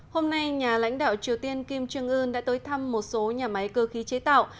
hôm nay nhà lãnh đạo triều tiên kim trương ưn đã tới thăm một số nhà máy cơ khí chế tạo